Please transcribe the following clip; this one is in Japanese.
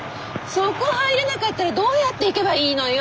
そこ入れなかったらどうやって行けばいいのよ？